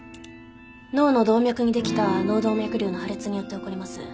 脳の動脈にできた脳動脈瘤の破裂によって起こります。